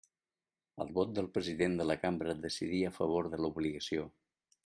El vot del president de la cambra decidí a favor de l'obligació.